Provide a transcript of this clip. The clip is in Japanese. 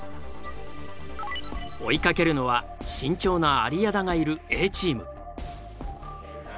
追いかけるのは慎重な有屋田がいるＡチーム。